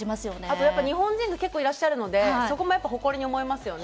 あとやっぱ日本人が結構いらっしゃるのでそこも誇りに思いますよね。